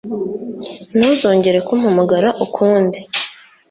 ntuzongere kumpamagara ukundi